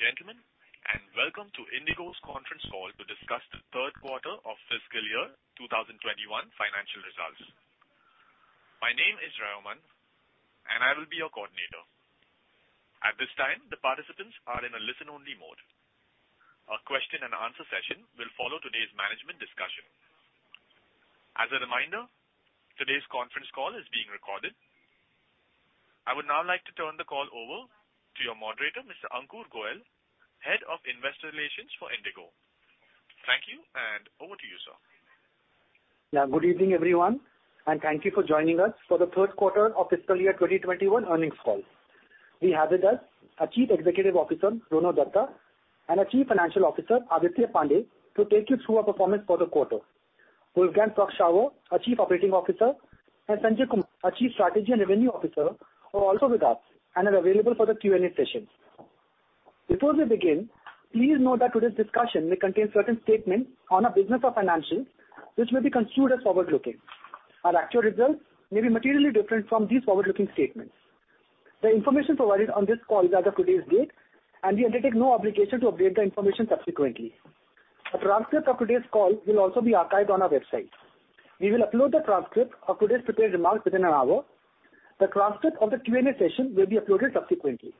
Good evening, ladies and gentlemen, and welcome to IndiGo's conference call to discuss the third quarter of fiscal year 2021 financial results. My name is Raymond, and I will be your coordinator. At this time, the participants are in a listen-only mode. A question and answer session will follow today's management discussion. As a reminder, today's conference call is being recorded. I would now like to turn the call over to your moderator, Mr. Ankur Goel, Head of Investor Relations for IndiGo. Thank you, and over to you, sir. Yeah. Good evening, everyone, and thank you for joining us for the third quarter of fiscal year 2021 earnings call. We have with us our Chief Executive Officer, Rono Dutta, and our Chief Financial Officer, Aditya Pande, to take you through our performance for the quarter. Wolfgang Prock-Schauer, our Chief Operating Officer, and Sanjay Kumar, our Chief Strategy and Revenue Officer, are also with us and are available for the Q&A session. Before we begin, please note that today's discussion may contain certain statements on our business or financials which may be construed as forward-looking. Our actual results may be materially different from these forward-looking statements. The information provided on this call is as of today's date, and we undertake no obligation to update the information subsequently. A transcript of today's call will also be archived on our website. We will upload the transcript of today's prepared remarks within an hour. The transcript of the Q&A session will be uploaded subsequently.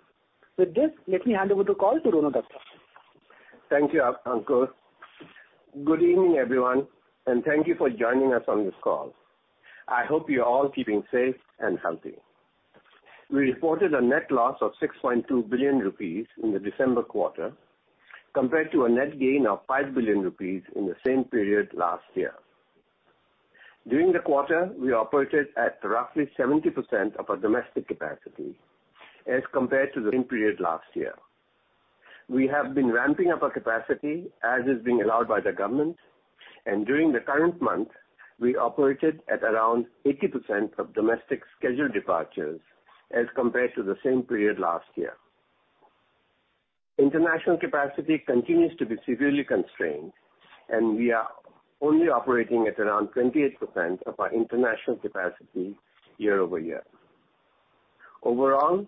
With this, let me hand over the call to Rono Dutta. Thank you, Ankur. Good evening, everyone, and thank you for joining us on this call. I hope you're all keeping safe and healthy. We reported a net loss of 6.2 billion rupees in the December quarter, compared to a net gain of 5 billion rupees in the same period last year. During the quarter, we operated at roughly 70% of our domestic capacity as compared to the same period last year. We have been ramping up our capacity as is being allowed by the government, and during the current month, we operated at around 80% of domestic scheduled departures as compared to the same period last year. International capacity continues to be severely constrained, and we are only operating at around 28% of our international capacity year-over-year. Overall,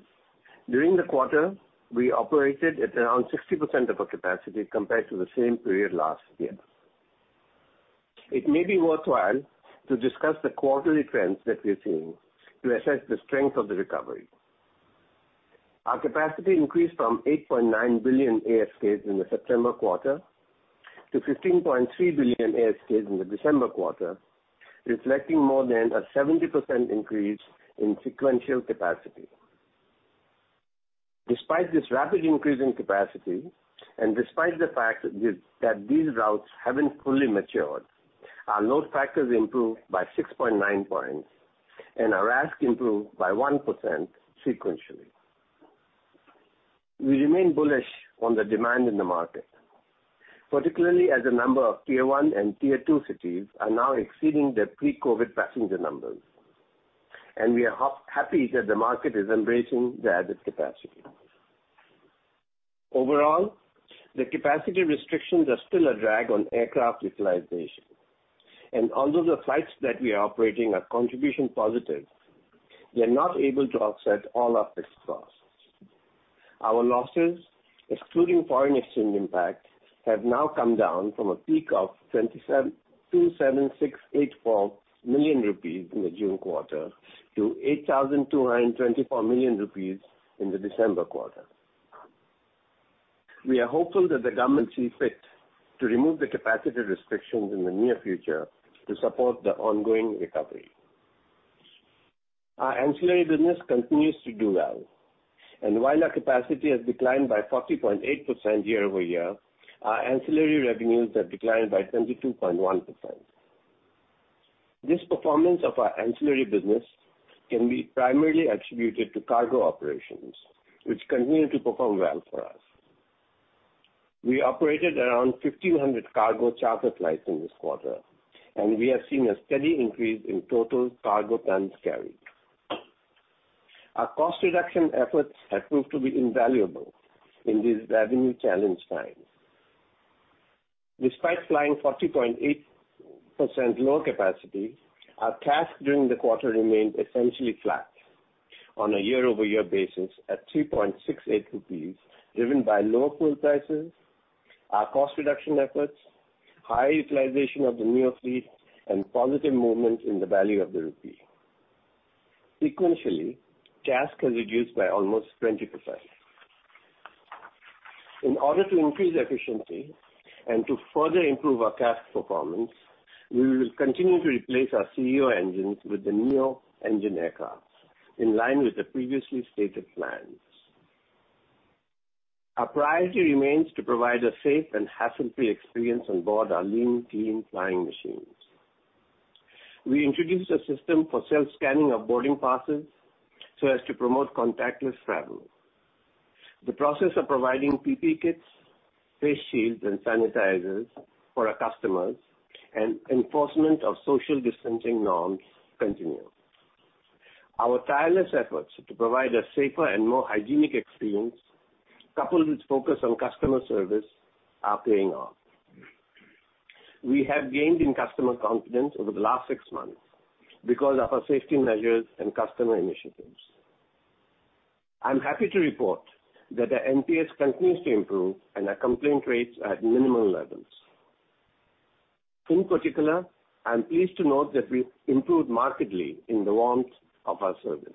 during the quarter, we operated at around 60% of our capacity compared to the same period last year. It may be worthwhile to discuss the quarterly trends that we are seeing to assess the strength of the recovery. Our capacity increased from 8.9 billion ASKs in the September quarter to 15.3 billion ASKs in the December quarter, reflecting more than a 70% increase in sequential capacity. Despite this rapid increase in capacity, and despite the fact that these routes haven't fully matured, our load factors improved by 6.9 points and our RASK improved by 1% sequentially. We remain bullish on the demand in the market, particularly as a number of tier 1 and tier 2 cities are now exceeding their pre-COVID passenger numbers, and we are happy that the market is embracing the added capacity. Overall, the capacity restrictions are still a drag on aircraft utilization, and although the flights that we are operating are contribution positive, they are not able to offset all our fixed costs. Our losses, excluding foreign exchange impact, have now come down from a peak of 27,684 million rupees in the June quarter to 8,224 million rupees in the December quarter. We are hopeful that the government sees fit to remove the capacity restrictions in the near future to support the ongoing recovery. Our ancillary business continues to do well, and while our capacity has declined by 40.8% year-over-year, our ancillary revenues have declined by 22.1%. This performance of our ancillary business can be primarily attributed to cargo operations, which continue to perform well for us. We operated around 1,500 cargo charter flights in this quarter, and we have seen a steady increase in total cargo tons carried. Our cost reduction efforts have proved to be invaluable in these revenue-challenged times. Despite flying 40.8% lower capacity, our CASK during the quarter remained essentially flat on a year-over-year basis at 3.68 rupees, driven by lower fuel prices, our cost reduction efforts, high utilization of the neo fleet, and positive movements in the value of the rupee. Sequentially, CASK has reduced by almost 20%. In order to increase efficiency and to further improve our CASK performance, we will continue to replace our ceo engines with the neo engine aircraft, in line with the previously stated plans. Our priority remains to provide a safe and hassle-free experience on board our lean, clean flying machines. We introduced a system for self-scanning of boarding passes so as to promote contactless travel. The process of providing PPE kits, face shields, and sanitizers for our customers and enforcement of social distancing norms continue. Our tireless efforts to provide a safer and more hygienic experience, coupled with focus on customer service, are paying off. We have gained in customer confidence over the last six months because of our safety measures and customer initiatives. I'm happy to report that our NPS continues to improve, and our complaint rates are at minimal levels. In particular, I am pleased to note that we improved markedly in the warmth of our service.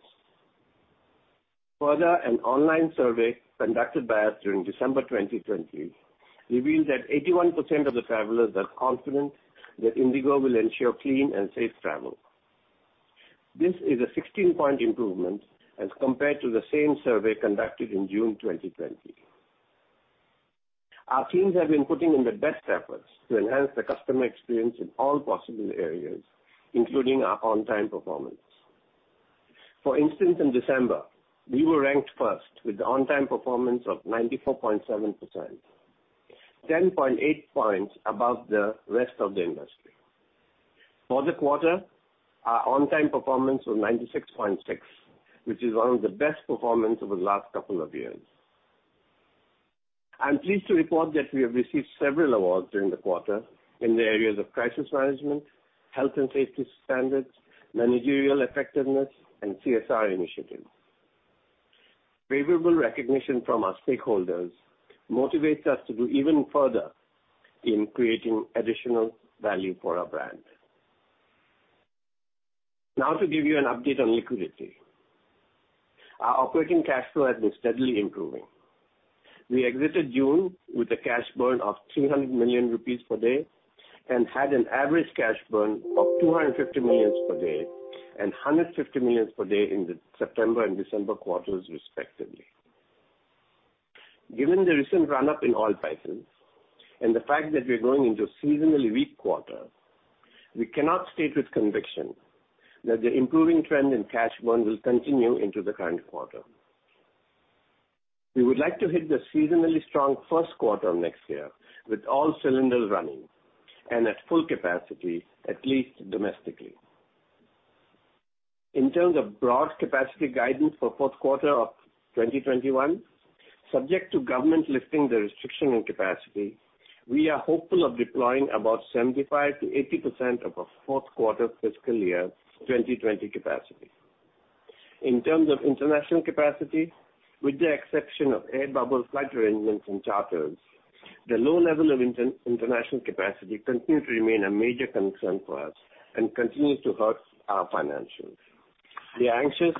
Further, an online survey conducted by us during December 2020 revealed that 81% of the travelers are confident that IndiGo will ensure clean and safe travel. This is a 16-point improvement as compared to the same survey conducted in June 2020. Our teams have been putting in their best efforts to enhance the customer experience in all possible areas, including our on-time performance. For instance, in December, we were ranked first with the on-time performance of 94.7%, 10.8 points above the rest of the industry. For the quarter, our on-time performance was 96.6%, which is one of the best performance over the last couple of years. I'm pleased to report that we have received several awards during the quarter in the areas of crisis management, health and safety standards, managerial effectiveness, and CSR initiatives. Favorable recognition from our stakeholders motivates us to do even further in creating additional value for our brand. Now to give you an update on liquidity. Our operating cash flow has been steadily improving. We exited June with a cash burn of 300 million rupees per day, and had an average cash burn of 250 million per day and 150 million per day in the September and December quarters, respectively. Given the recent run-up in oil prices and the fact that we are going into a seasonally weak quarter, we cannot state with conviction that the improving trend in cash burn will continue into the current quarter. We would like to hit the seasonally strong first quarter next year with all cylinders running and at full capacity, at least domestically. In terms of broad capacity guidance for fourth quarter of 2021, subject to government lifting the restriction on capacity, we are hopeful of deploying about 75%-80% of our fourth quarter fiscal year 2020 capacity. In terms of international capacity, with the exception of air bubble flight arrangements and charters, the low level of international capacity continues to remain a major concern for us and continues to hurt our financials. We are anxious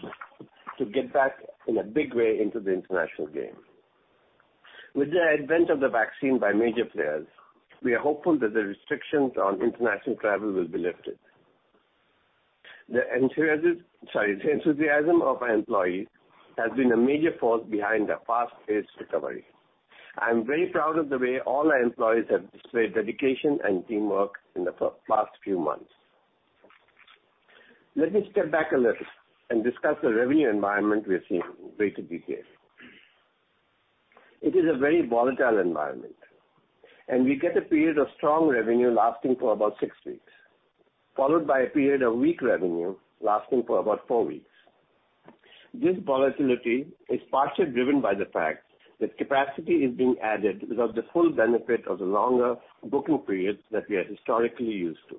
to get back in a big way into the international game. With the advent of the vaccine by major players, we are hopeful that the restrictions on international travel will be lifted. The enthusiasm of our employees has been a major force behind our fast-paced recovery. I am very proud of the way all our employees have displayed dedication and teamwork in the past few months. Let me step back a little and discuss the revenue environment we are seeing in greater detail. It is a very volatile environment, and we get a period of strong revenue lasting for about six weeks, followed by a period of weak revenue lasting for about four weeks. This volatility is partially driven by the fact that capacity is being added without the full benefit of the longer booking periods that we are historically used to.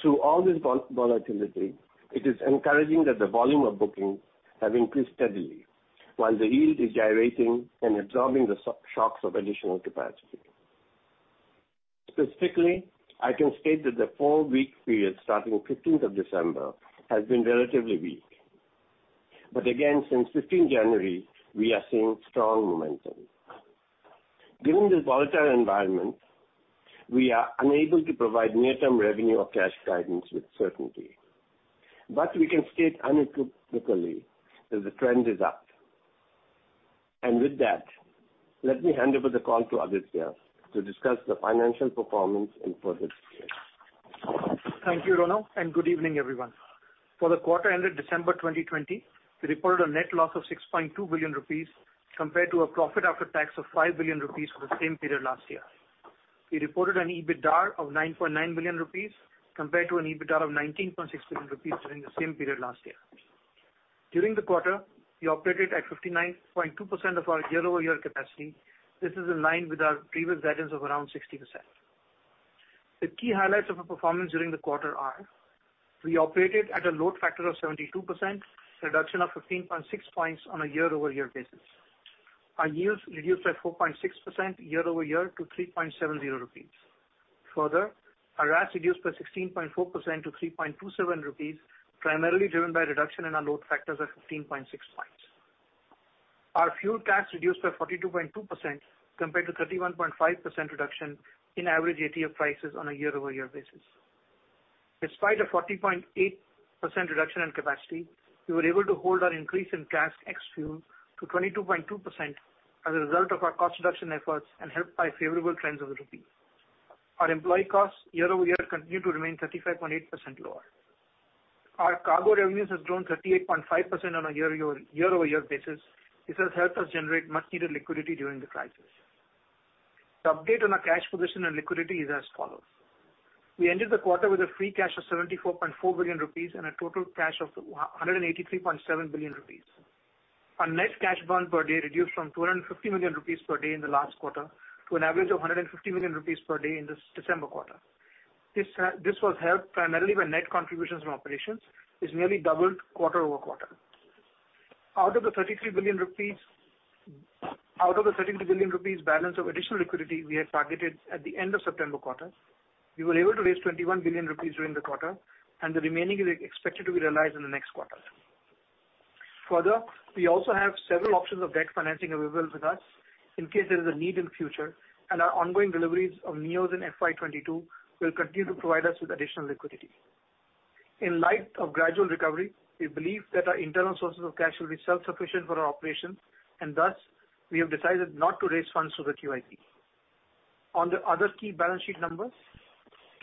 Through all this volatility, it is encouraging that the volume of bookings have increased steadily while the yield is gyrating and absorbing the shocks of additional capacity. Specifically, I can state that the 4-week period starting 15th of December has been relatively weak. Again, since 15 January, we are seeing strong momentum. Given this volatile environment, we are unable to provide near-term revenue or cash guidance with certainty. We can state unequivocally that the trend is up. With that, let me hand over the call to Aditya to discuss the financial performance in further detail. Thank you, Rono, and good evening, everyone. For the quarter ended December 2020, we reported a net loss of 6.2 billion rupees compared to a profit after tax of 5 billion rupees for the same period last year. We reported an EBITDAR of 9.9 billion rupees compared to an EBITDAR of 19.6 billion rupees during the same period last year. During the quarter, we operated at 59.2% of our year-over-year capacity. This is in line with our previous guidance of around 60%. The key highlights of our performance during the quarter are we operated at a load factor of 72%, reduction of 15.6 points on a year-over-year basis. Our yields reduced by 4.6% year-over-year to 3.70 rupees. Further, our RASK reduced by 16.4% to 3.27 rupees, primarily driven by a reduction in our load factors of 15.6 points. Our fuel cost reduced by 42.2% compared to 31.5% reduction in average ATF prices on a year-over-year basis. Despite a 40.8% reduction in capacity, we were able to hold our increase in CASK ex-fuel to 22.2% as a result of our cost reduction efforts and helped by favorable trends of the rupee. Our employee costs year-over-year continue to remain 35.8% lower. Our cargo revenues has grown 38.5% on a year-over-year basis. This has helped us generate much-needed liquidity during the crisis. The update on our cash position and liquidity is as follows. We ended the quarter with a free cash of 74.4 billion rupees and a total cash of 183.7 billion rupees. Our net cash burn per day reduced from 250 million rupees per day in the last quarter to an average of 150 million rupees per day in this December quarter. This was helped primarily by net contributions from operations, which nearly doubled quarter-over-quarter. Out of the 33 billion rupees balance of additional liquidity we had targeted at the end of September quarter, we were able to raise 21 billion rupees during the quarter, and the remaining is expected to be realized in the next quarter. We also have several options of debt financing available with us in case there is a need in future, and our ongoing deliveries of neos in FY 2022 will continue to provide us with additional liquidity. In light of gradual recovery, we believe that our internal sources of cash will be self-sufficient for our operations, and thus, we have decided not to raise funds through the QIP. On the other key balance sheet numbers,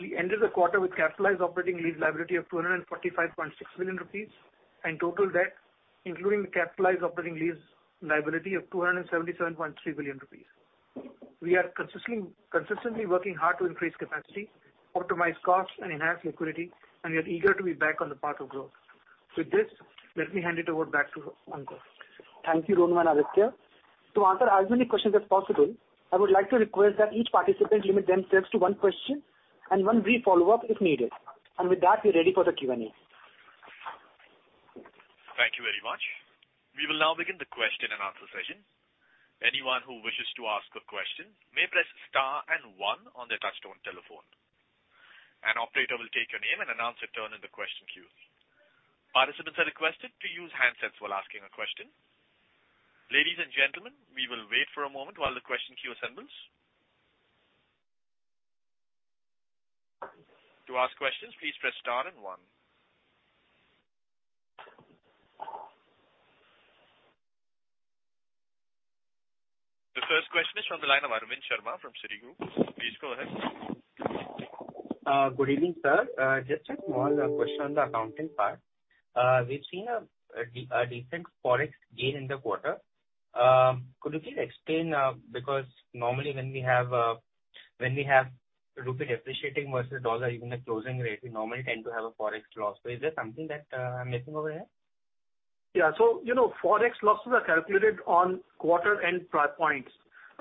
we ended the quarter with capitalized operating lease liability of 245.6 billion rupees and total debt, including the capitalized operating lease liability of 277.3 billion rupees. We are consistently working hard to increase capacity, optimize costs, and enhance liquidity, and we are eager to be back on the path of growth. With this, let me hand it over back to Ankur. Thank you, Rono and Aditya. To answer as many questions as possible, I would like to request that each participant limit themselves to one question and one brief follow-up if needed. With that, we're ready for the Q&A. Thank you very much. We will now begin the question and answer session. Anyone who wishes to ask a question may press star and one on their touch-tone telephone. An operator will take your name and announce your turn in the question queue. Participants are requested to use handsets while asking a question. Ladies and gentlemen, we will wait for a moment while the question queue assembles. To ask questions, please press star and one. The first question is from the line of Arvind Sharma from Citigroup. Please go ahead. Good evening, sir. Just a small question on the accounting part. We've seen a decent Forex gain in the quarter. Could you please explain? Normally when we have rupee depreciating versus dollar, even the closing rate, we normally tend to have a Forex loss. Is there something that I'm missing over here? Yeah. Forex losses are calculated on quarter-end price points.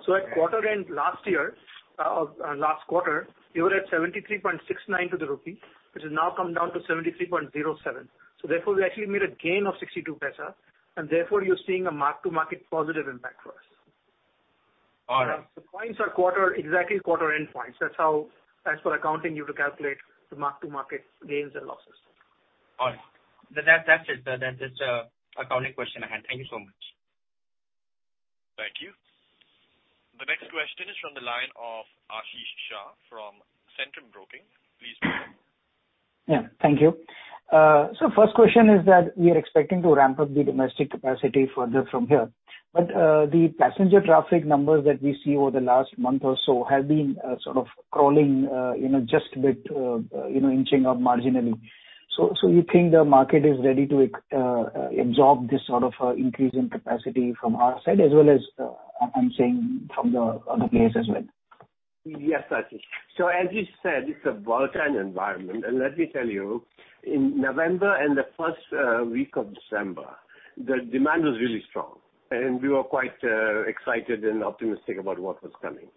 Okay. At quarter end last year, or last quarter, we were at 73.69 to the rupee, which has now come down to 73.07. Therefore, we actually made a gain of 0.62 and therefore you're seeing a mark-to-market positive impact for us. All right. The points are exactly quarter-end points. That's how, as per accounting, you have to calculate the mark-to-market gains and losses. All right. That's it. That's just an accounting question I had. Thank you so much. Thank you. The next question is from the line of Ashish Shah from Centrum Broking. Please go ahead. Yeah, thank you. First question is that we are expecting to ramp up the domestic capacity further from here. The passenger traffic numbers that we see over the last month or so have been sort of crawling, just a bit inching up marginally. You think the market is ready to absorb this sort of increase in capacity from our side as well as, I'm saying from the other players as well? Yes, Ashish. As you said, it's a volatile environment. Let me tell you, in November and the first week of December, the demand was really strong, and we were quite excited and optimistic about what was coming.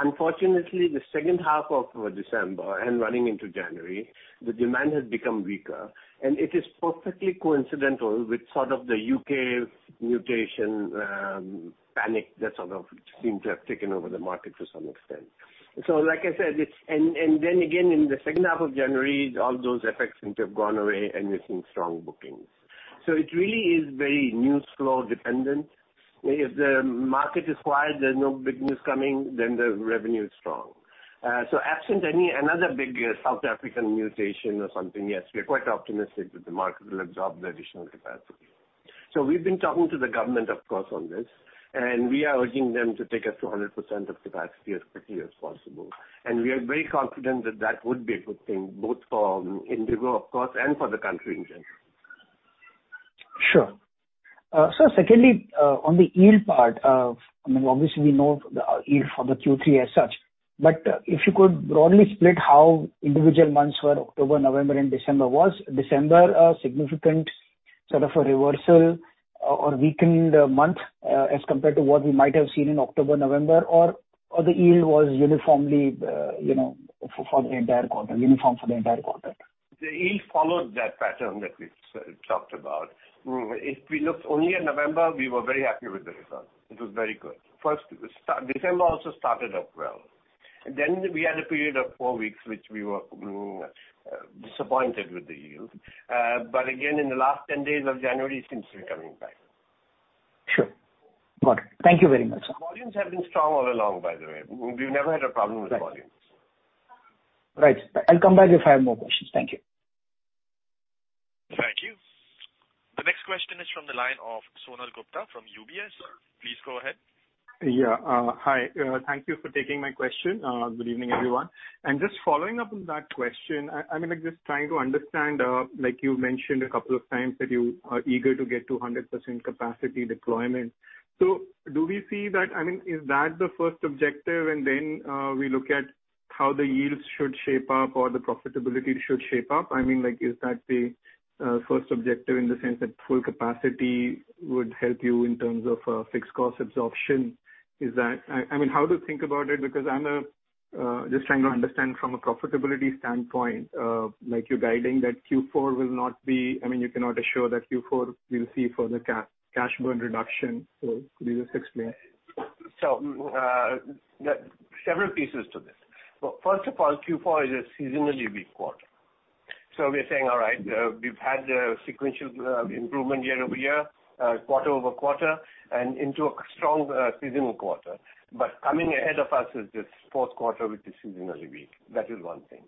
Unfortunately, the second half of December and running into January, the demand has become weaker, and it is perfectly coincidental with sort of the U.K., mutation panic that sort of seems to have taken over the market to some extent. Like I said, and then again, in the second half of January, all those effects seem to have gone away and we're seeing strong bookings. It really is very news flow dependent. If the market is quiet, there's no big news coming, then the revenue is strong. Absent any another big South African mutation or something, yes, we are quite optimistic that the market will absorb the additional capacity. We've been talking to the government, of course, on this, and we are urging them to take us to 100% of capacity as quickly as possible. We are very confident that that would be a good thing, both for IndiGo, of course, and for the country in general. Sure. Sir, secondly, on the yield part, I mean, obviously we know the yield for the Q3 as such. If you could broadly split how individual months were October, November, and December was. December a significant sort of a reversal or weakened month as compared to what we might have seen in October, November, or the yield was uniform for the entire quarter? The yield followed that pattern that we talked about. If we looked only at November, we were very happy with the result. It was very good. December also started off well. We had a period of four weeks, which we were disappointed with the yield. Again, in the last 10 days of January, it seems to be coming back. Sure. Got it. Thank you very much, sir. Volumes have been strong all along, by the way. We've never had a problem with volumes. Right. I'll come back if I have more questions. Thank you. Thank you. The next question is from the line of Sonal Gupta from UBS. Please go ahead. Yeah. Hi. Thank you for taking my question. Good evening, everyone. Just following up on that question, I am just trying to understand, like you mentioned a couple of times that you are eager to get to 100% capacity deployment. Do we see that, I mean, is that the first objective and then we look at how the yields should shape up or the profitability should shape up? Is that the first objective in the sense that full capacity would help you in terms of fixed cost absorption? How to think about it, because I am just trying to understand from a profitability standpoint, you are guiding that Q4 will not be. You cannot assure that Q4 will see further cash burn reduction. Could you just explain? Several pieces to this. First of all, Q4 is a seasonally weak quarter. We are saying, all right, we've had sequential improvement year-over-year, quarter-over-quarter, and into a strong seasonal quarter. Coming ahead of us is this fourth quarter, which is seasonally weak. That is one thing.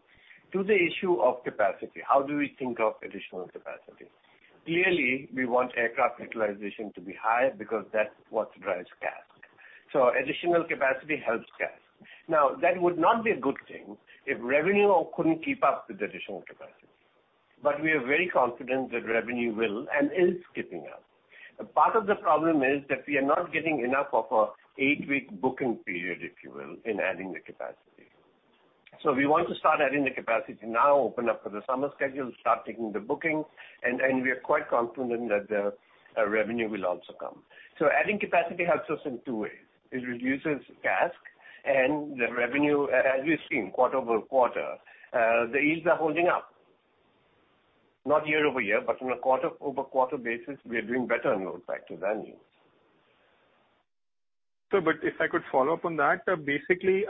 To the issue of capacity, how do we think of additional capacity? Clearly, we want aircraft utilization to be high because that's what drives CASK. Additional capacity helps CASK. That would not be a good thing if revenue couldn't keep up with additional capacity. We are very confident that revenue will and is keeping up. A part of the problem is that we are not getting enough of a 8-week booking period, if you will, in adding the capacity. We want to start adding the capacity now, open up for the summer schedule, start taking the bookings, and we are quite confident that the revenue will also come. Adding capacity helps us in two ways. It reduces CASK and the revenue, as we've seen quarter-over-quarter the yields are holding up. Not year-over-year, but from a quarter-over-quarter basis, we are doing better on load factors and yields. Sir, if I could follow up on that. Typically,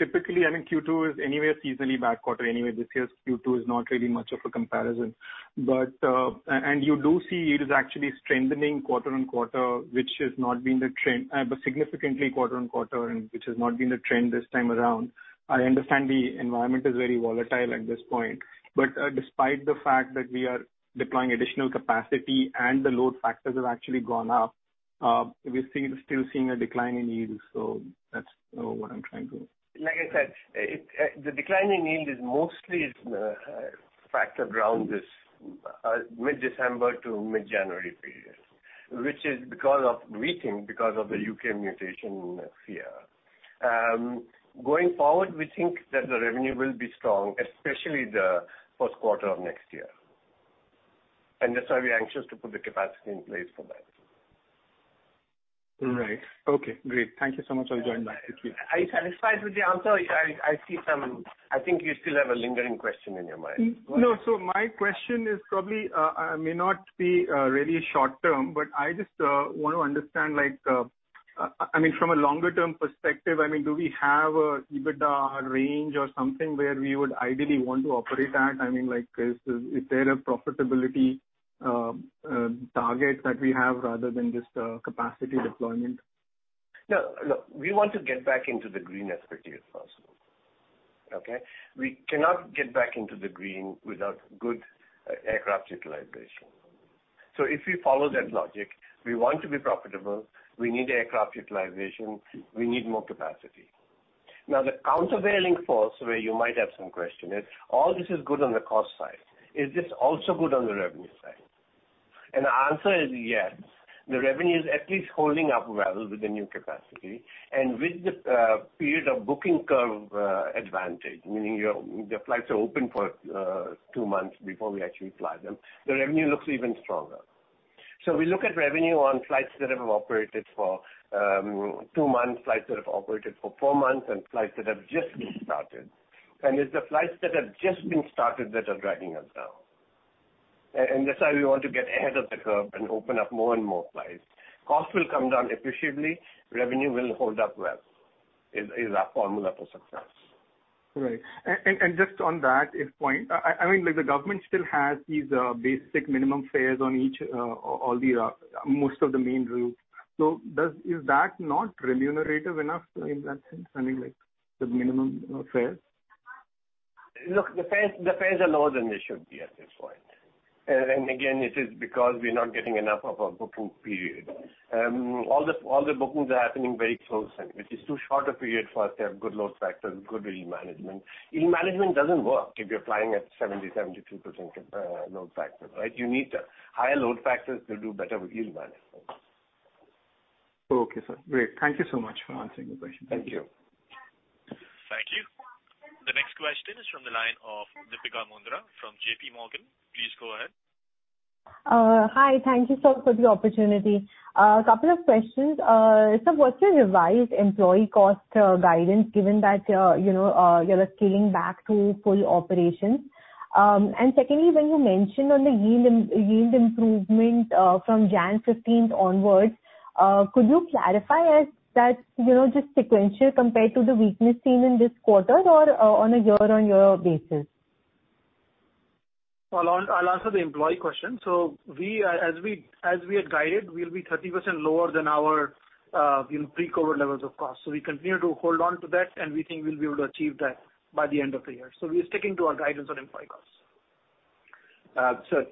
Q2 is anyway a seasonally bad quarter anyway. This year's Q2 is not really much of a comparison. You do see it is actually strengthening quarter-on-quarter, which has not been the trend, significantly quarter-on-quarter, which has not been the trend this time around. I understand the environment is very volatile at this point, despite the fact that we are deploying additional capacity and the load factors have actually gone up, we are still seeing a decline in yields. That is what I am trying to. Like I said, the decline in yield is mostly factored around this mid-December to mid-January period, which is because of weakening, because of the U.K. mutation fear. Going forward, we think that the revenue will be strong, especially the first quarter of next year. That's why we're anxious to put the capacity in place for that. Right. Okay, great. Thank you so much. Are you satisfied with the answer? I think you still have a lingering question in your mind. No. My question is probably may not be really short term, I just want to understand from a longer-term perspective, do we have an EBITDA range or something where we would ideally want to operate at? Is there a profitability target that we have rather than just capacity deployment? No. We want to get back into the green as quickly as possible. Okay? We cannot get back into the green without good aircraft utilization. If we follow that logic, we want to be profitable, we need aircraft utilization, we need more capacity. The countervailing force where you might have some question is, all this is good on the cost side. Is this also good on the revenue side? The answer is yes. The revenue is at least holding up well with the new capacity and with the period of booking curve advantage, meaning the flights are open for two months before we actually fly them. The revenue looks even stronger. We look at revenue on flights that have operated for two months, flights that have operated for four months, and flights that have just been started. It's the flights that have just been started that are dragging us down. That's why we want to get ahead of the curve and open up more and more flights. Cost will come down appreciably, revenue will hold up well, is our formula for success. Right. Just on that point. The government still has these basic minimum fares on most of the main routes. Is that not remunerative enough in that sense? I mean, like, the minimum fares. Look, the fares are lower than they should be at this point. Again, it is because we're not getting enough of a booking period. All the bookings are happening very close in, which is too short a period for us to have good load factors, good yield management. Yield management doesn't work if you're flying at 70, 72% load factors, right? Higher load factors will do better with yield management. Okay, sir. Great. Thank you so much for answering the question. Thank you. Thank you. The next question is from the line of Deepika Mundra from JPMorgan. Please go ahead. Hi. Thank you, sir, for the opportunity. A couple of questions. Sir, what's your revised employee cost guidance given that you're scaling back to full operations? Secondly, when you mentioned on the yield improvement from January 15th onwards, could you clarify if that's just sequential compared to the weakness seen in this quarter or on a year-on-year basis? I'll answer the employee question. As we had guided, we'll be 30% lower than our pre-COVID levels of cost. We continue to hold on to that, and we think we'll be able to achieve that by the end of the year. We are sticking to our guidance on employee costs.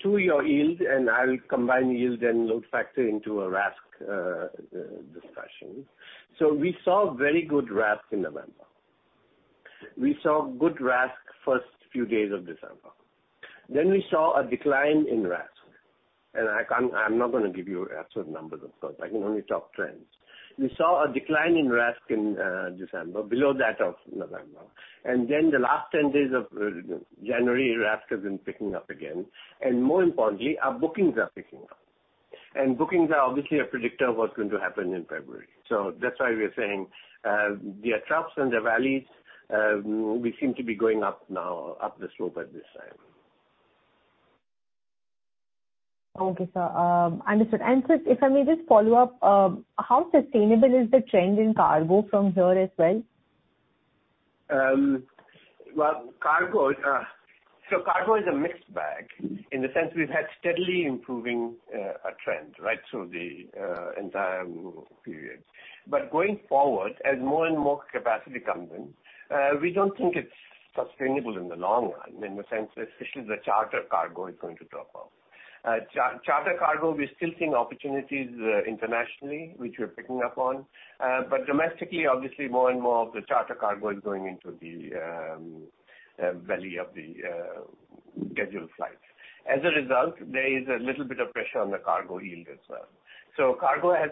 To your yield, and I will combine yield and load factor into a RASK discussion. We saw very good RASK in November. We saw good RASK first few days of December. We saw a decline in RASK, and I'm not going to give you absolute numbers, of course, I can only talk trends. We saw a decline in RASK in December below that of November. The last 10 days of January, RASK has been picking up again. More importantly, our bookings are picking up. Bookings are obviously a predictor of what's going to happen in February. That's why we are saying there are troughs and the valleys. We seem to be going up now, up the slope at this time. Okay, sir. Understood. Sir, if I may just follow up, how sustainable is the trend in cargo from here as well? Cargo is a mixed bag in the sense we've had steadily improving trend right through the entire period. Going forward, as more and more capacity comes in, we don't think it's sustainable in the long run, in the sense, especially the charter cargo is going to drop off. Charter cargo, we're still seeing opportunities internationally, which we're picking up on. Domestically, obviously more and more of the charter cargo is going into the belly of the scheduled flights. As a result, there is a little bit of pressure on the cargo yield as well. Cargo has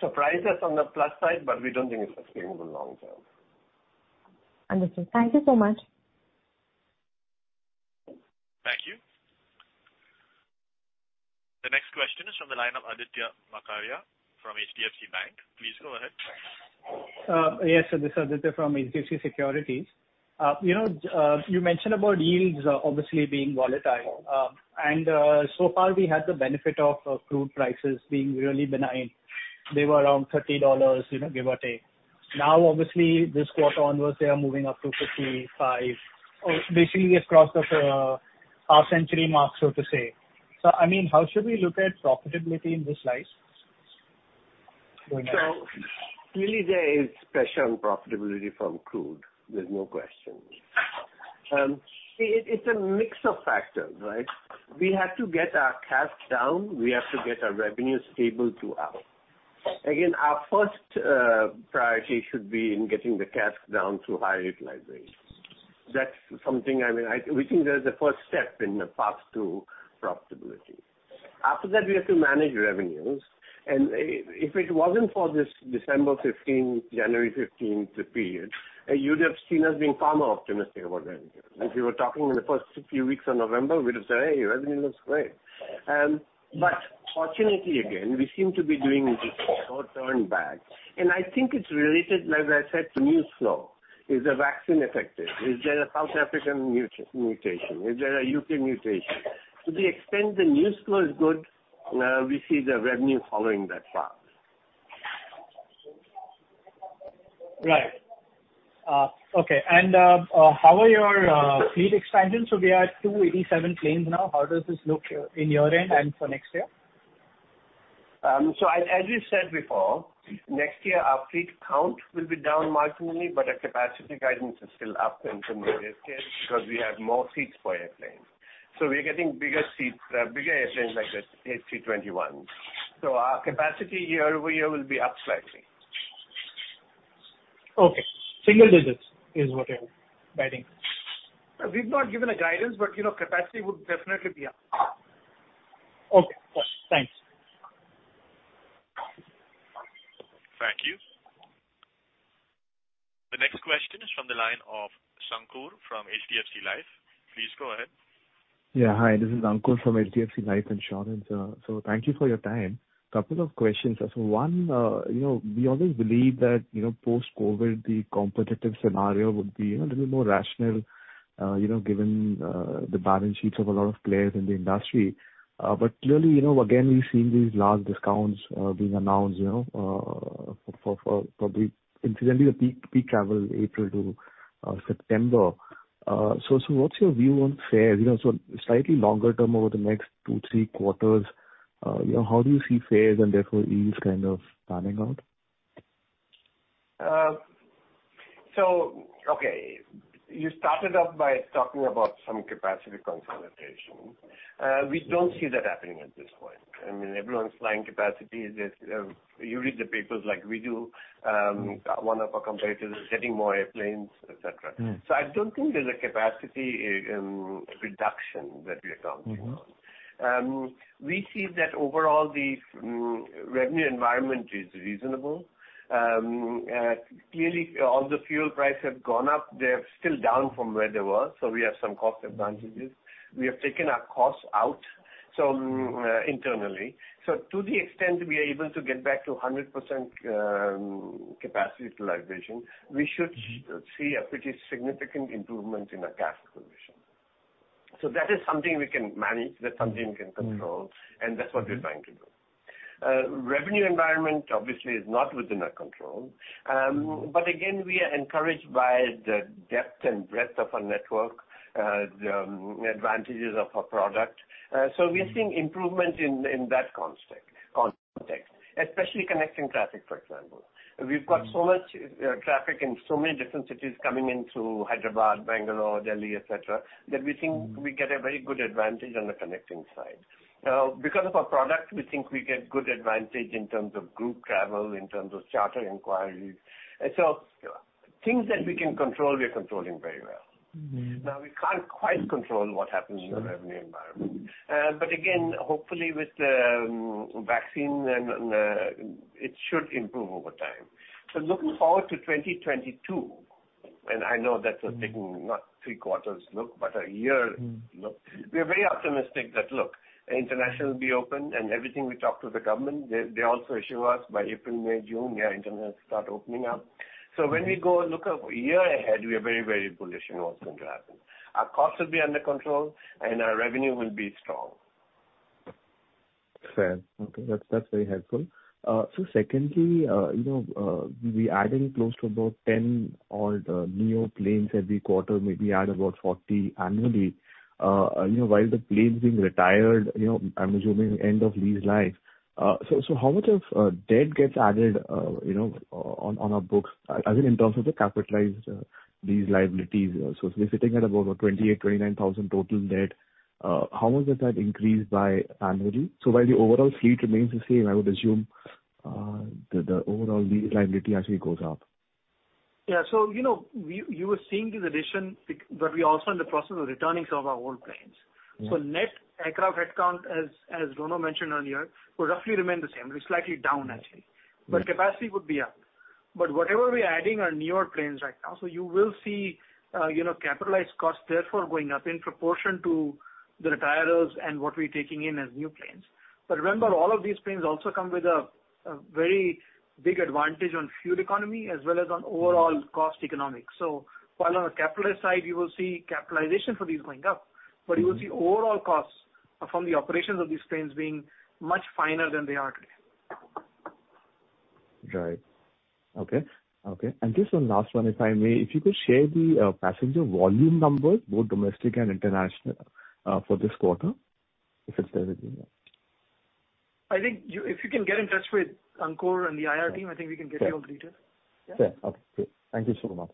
surprised us on the plus side, but we don't think it's sustainable long term. Understood. Thank you so much. Thank you. The next question is from the line of Aditya Makharia from HDFC Bank. Please go ahead. Yes, sir. This is Aditya from HDFC Securities. You mentioned about yields obviously being volatile. So far we had the benefit of crude prices being really benign. They were around $30, give or take. Now obviously this quarter onwards, they are moving up to 55. Basically, we have crossed the half-century mark, so to say. How should we look at profitability in this light going ahead? Clearly there is pressure on profitability from crude. There's no question. It's a mix of factors, right? We have to get our cash down. We have to get our revenue stable to up. Again, our first priority should be in getting the cash down through high utilization. That's something we think that is the first step in the path to profitability. After that, we have to manage revenues, and if it wasn't for this December 15th, January 15th period, you'd have seen us being far more optimistic about revenue. If you were talking in the first few weeks of November, we'd have said, "Hey, revenue looks great." Fortunately again, we seem to be doing this short-term bag, and I think it's related, like I said, to news flow. Is the vaccine effective? Is there a South African mutation? Is there a U.K., mutation? To the extent the news flow is good, we see the revenue following that path. Right. Okay. How are your fleet expansions? We are at 287 planes now. How does this look in your end and for next year? As we said before, next year our fleet count will be down marginally, but our capacity guidance is still up in some cases because we have more seats per airplane. We are getting bigger airplanes like the A321. Our capacity year-over-year will be up slightly. Okay. Single-digits is what you're guiding. We've not given a guidance, but capacity would definitely be up. Okay. Sure. Thanks. Thank you. The next question is from the line of [Ankur] from HDFC Life. Please go ahead. Hi, this is Shankur from HDFC Life Insurance. Thank you for your time. Couple of questions, sir. One, we always believe that post-COVID, the competitive scenario would be a little more rational given the balance sheets of a lot of players in the industry. Clearly, again, we've seen these large discounts being announced for probably incidentally the peak travel April to September. What's your view on fares? Slightly longer term over the next two, three quarters, how do you see fares and therefore yields kind of panning out? Okay. You started off by talking about some capacity consolidation. We don't see that happening at this point. I mean, everyone's flying capacity is. You read the papers like we do. One of our competitors is getting more airplanes, et cetera.I don't think there's a capacity reduction that we are talking of. We see that overall the revenue environment is reasonable. Clearly, although fuel price have gone up, they are still down from where they were. We have some cost advantages. We have taken our costs out internally. To the extent we are able to get back to 100% capacity utilization, we should see a pretty significant improvement in our cash position. That is something we can manage, that management can control, and that's what we're trying to do. Revenue environment obviously is not within our control. Again, we are encouraged by the depth and breadth of our network, the advantages of our product. We are seeing improvements in that context, especially connecting traffic, for example. We've got so much traffic in so many different cities coming into Hyderabad, Bangalore, Delhi, et cetera, that we think we get a very good advantage on the connecting side. Because of our product, we think we get good advantage in terms of group travel, in terms of charter inquiries. Things that we can control, we are controlling very well. We can't quite control what happens in the revenue environment. Again, hopefully with the vaccine, it should improve over time. Looking forward to 2022, and I know that's taking not three quarters look, but a year look, we are very optimistic that, look, international will be open, and everything we talked to the government, they also assure us by April, May, June, yeah, international will start opening up. When we go look a year ahead, we are very bullish in what's going to happen. Our costs will be under control, and our revenue will be strong. Fair. Okay. That's very helpful. Secondly, we adding close to about 10 neo planes every quarter, maybe add about 40 annually, while the planes being retired, I am assuming end of lease life. How much of debt gets added on our books, as in terms of the capitalized lease liabilities? Sitting at about 28,000, 29,000 total debt, how much does that increase by annually? While the overall fleet remains the same, I would assume the overall lease liability actually goes up. Yeah. You were seeing this addition, but we're also in the process of returning some of our old planes. Net aircraft headcount, as Rono mentioned earlier, will roughly remain the same. It is slightly down actually. Capacity would be up. Whatever we're adding are newer planes right now, so you will see capitalized costs therefore going up in proportion to the retirees and what we're taking in as new planes. Remember, all of these planes also come with a very big advantage on fuel economy, as well as on overall cost economics. While on a capitalized side, you will see capitalization for these going up. You will see overall costs from the operations of these planes being much finer than they are today. Right. Okay. Just one last one, if I may. If you could share the passenger volume numbers, both domestic and international, for this quarter, if it's there with you now. I think if you can get in touch with Ankur and the IR team, I think we can get you a breather. Fair. Okay, great. Thank you so much.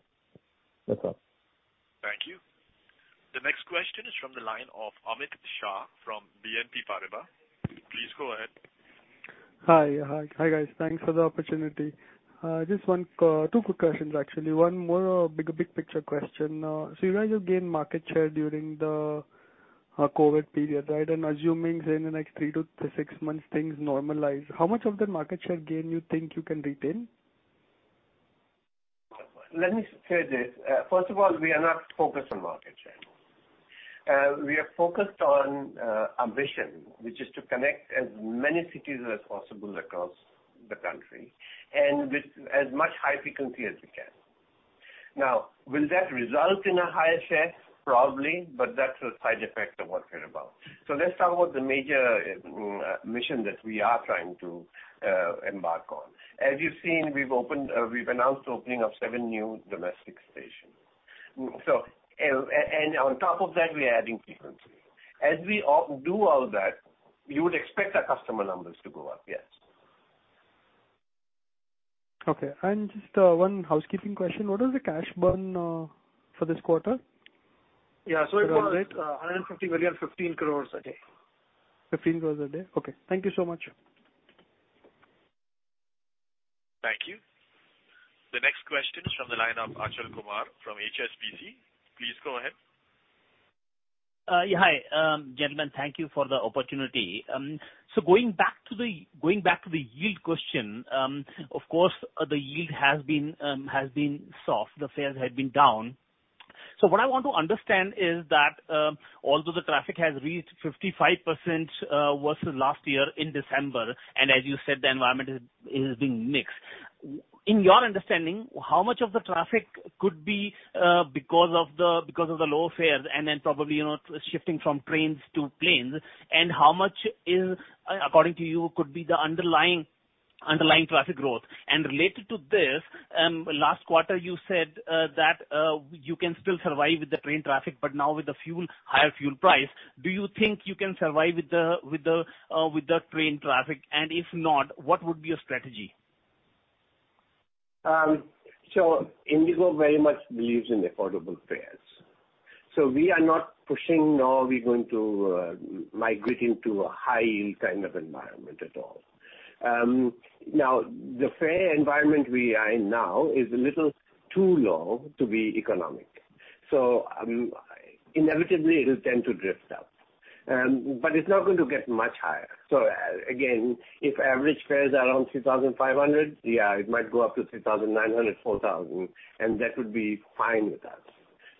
That's all. Thank you. The next question is from the line of Amit Shah from BNP Paribas. Please go ahead. Hi, guys. Thanks for the opportunity. Just two quick questions, actually. One more big picture question. You guys have gained market share during the COVID period, right? Assuming in the next three to six months things normalize, how much of the market share gain you think you can retain? Let me say this. First of all, we are not focused on market share. We are focused on our mission, which is to connect as many cities as possible across the country, and with as much high frequency as we can. Will that result in a higher share? Probably, that's a side effect of what we're about. Let's talk about the major mission that we are trying to embark on. As you've seen, we've announced opening of seven new domestic stations. On top of that, we're adding frequency. As we do all that, you would expect our customer numbers to go up, yes. Okay. Just one housekeeping question. What is the cash burn for this quarter? Yeah. It was 150 million, 15 crores a day. 15 crores a day? Okay. Thank you so much. Thank you. The next question is from the line of Achal Kumar from HSBC. Please go ahead. Hi, gentlemen. Thank you for the opportunity. Going back to the yield question, of course, the yield has been soft, the fares have been down. What I want to understand is that although the traffic has reached 55% versus last year in December, and as you said, the environment is being mixed. In your understanding, how much of the traffic could be because of the low fares then probably shifting from trains to planes? How much, according to you, could be the underlying traffic growth? Related to this, last quarter, you said that you can still survive with the train traffic, now with the higher fuel price, do you think you can survive with the train traffic? If not, what would be your strategy? IndiGo very much believes in affordable fares. We are not pushing, nor are we going to migrate into a high yield kind of environment at all. The fare environment we are in now is a little too low to be economic. Inevitably it'll tend to drift up. It's not going to get much higher. Again, if average fares are around 3,500, it might go up to 3,900, 4,000, and that would be fine with us.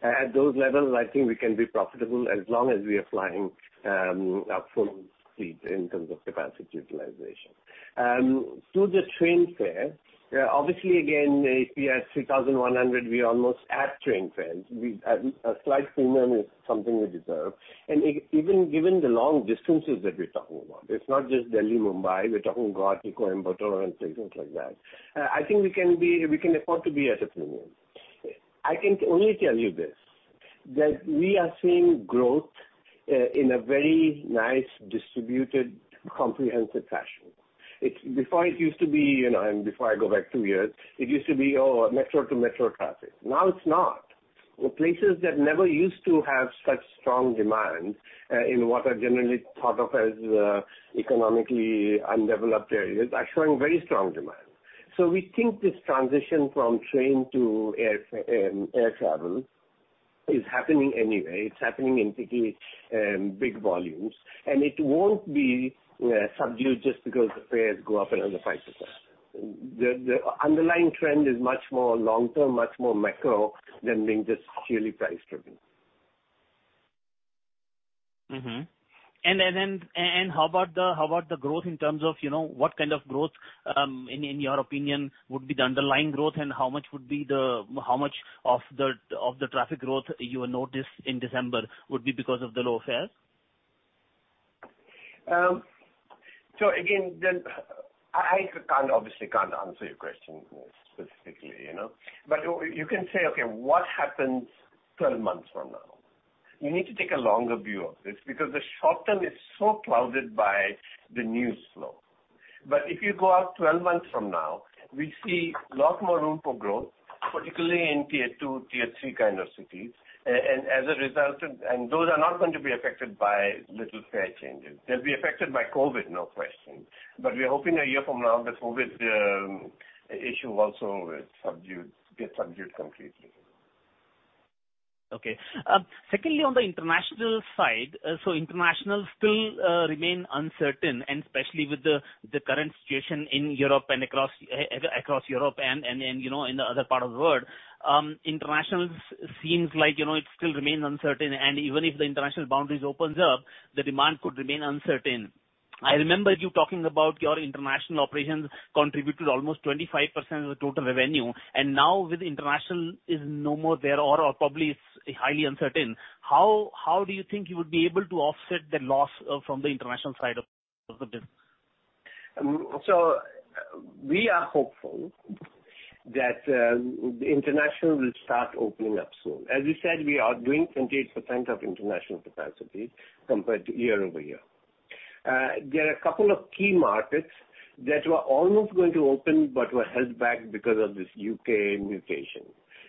At those levels, I think we can be profitable as long as we are flying our full fleet in terms of capacity utilization. To the train fare, obviously, again, if we are at 3,100, we are almost at train fares. A slight premium is something we deserve, and even given the long distances that we're talking about. It's not just Delhi, Mumbai. We're talking Guwahati, Coimbatore, and places like that. I think we can afford to be at a premium. I can only tell you this, that we are seeing growth in a very nice, distributed, comprehensive fashion. Before, it used to be, and before I go back two years, it used to be metro to metro traffic. Now it's not. Places that never used to have such strong demand in what are generally thought of as economically undeveloped areas are showing very strong demand. We think this transition from train to air travel is happening anyway. It's happening in pretty big volumes, and it won't be subdued just because the fares go up another 5%. The underlying trend is much more long-term, much more macro than being just purely price-driven. How about the growth in terms of what kind of growth, in your opinion, would be the underlying growth, and how much of the traffic growth you notice in December would be because of the low fares? Again, I obviously can't answer your question specifically. You can say, okay, what happens 12 months from now? You need to take a longer view of this because the short term is so clouded by the news flow. If you go out 12 months from now, we see a lot more room for growth, particularly in tier 2, tier 3 kind of cities. Those are not going to be affected by little fare changes. They'll be affected by COVID, no question. We are hoping a year from now, the COVID issue also gets subdued completely. Okay. Secondly, on the international side. International still remains uncertain and especially with the current situation in Europe and across Europe and in the other part of the world. International seems like it still remains uncertain, and even if the international boundaries opens up, the demand could remain uncertain. I remember you talking about your international operations contributed almost 25% of the total revenue, and now with international is no more there, or probably it's highly uncertain. How do you think you would be able to offset the loss from the international side of the business? We are hopeful that international will start opening up soon. We said, we are doing 28% of international capacity compared to year-over-year. There are a couple of key markets that were almost going to open but were held back because of this U.K., mutation.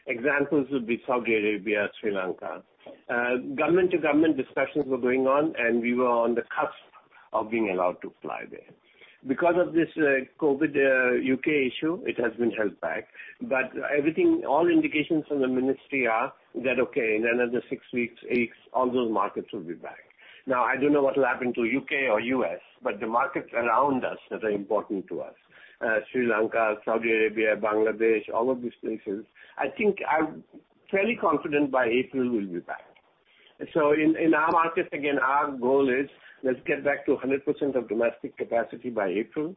Examples would be Saudi Arabia, Sri Lanka. Government to government discussions were going on, and we were on the cusp of being allowed to fly there. This COVID U.K., issue, it has been held back, but all indications from the ministry are that okay, in another six weeks, eight, all those markets will be back. I don't know what will happen to U.K., or U.S., but the markets around us that are important to us Sri Lanka, Saudi Arabia, Bangladesh, all of these places, I think I'm fairly confident by April we'll be back. In our markets, again, our goal is let's get back to 100% of domestic capacity by April.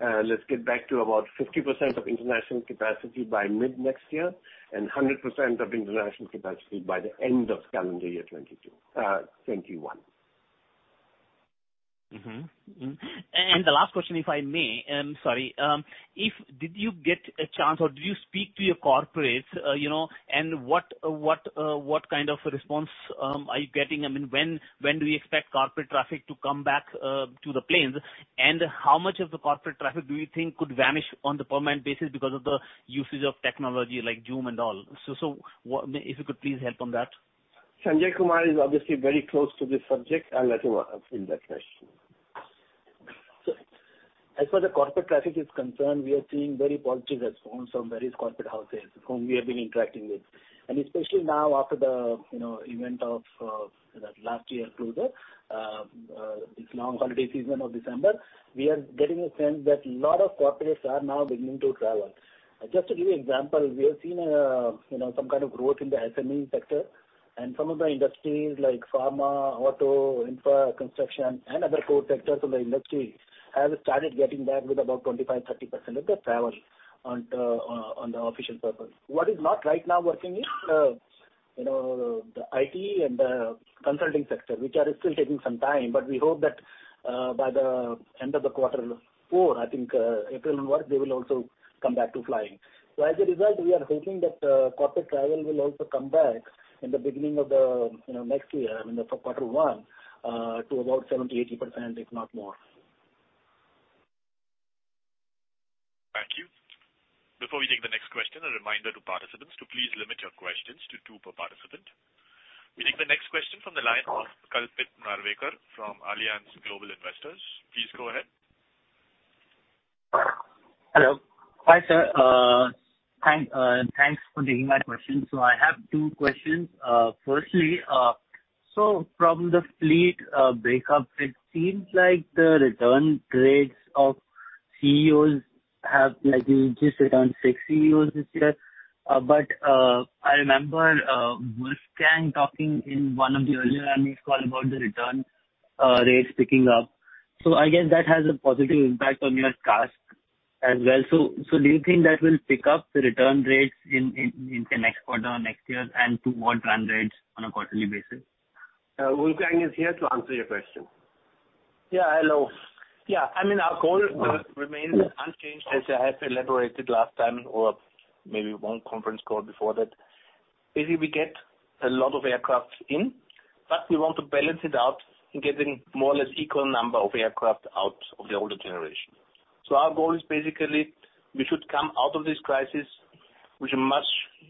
Let's get back to about 50% of international capacity by mid next year and 100% of international capacity by the end of calendar year 2021. Mm-hmm. The last question, if I may. Sorry. Did you get a chance, or did you speak to your corporates, and what kind of response are you getting? When do we expect corporate traffic to come back to the planes? How much of the corporate traffic do you think could vanish on a permanent basis because of the usage of technology like Zoom and all? If you could please help on that. Sanjay Kumar is obviously very close to this subject. I'll let him answer that question. As far as the corporate traffic is concerned, we are seeing very positive responses from various corporate houses whom we have been interacting with. Especially now after the event of that last year through this long holiday season of December, we are getting a sense that a lot of corporates are now beginning to travel. Just to give you example, we have seen some kind of growth in the SME sector and some of the industries like pharma, auto, infra, construction, and other core sectors of the industry have started getting back with about 25%, 30% of the travel on the official purpose. What is not right now working is the IT and the consulting sector, which are still taking some time, but we hope that by the end of the quarter four, I think April and what, they will also come back to flying. As a result, we are hoping that corporate travel will also come back in the beginning of next year, in the quarter one, to about 70%-80%, if not more. Thank you. Before we take the next question, a reminder to participants to please limit your questions to two per participant. We take the next question from the line of Kalpit Narvekar from Allianz Global Investors. Please go ahead. Hello. Hi, sir. Thanks for taking my question. I have two questions. Firstly, from the fleet breakup, it seems like the return rates of ceos have, like you just returned six ceos this year. I remember Wolfgang talking in one of the earlier earnings call about the return rates picking up. I guess that has a positive impact on your CASK as well. Do you think that will pick up the return rates in the next quarter or next year and toward run rates on a quarterly basis? Wolfgang is here to answer your question. Yeah, hello. Yeah, our goal remains unchanged as I have elaborated last time, or maybe one conference call before that. Basically, we get a lot of aircraft in, but we want to balance it out in getting more or less equal number of aircraft out of the older generation. Our goal is basically we should come out of this crisis with a much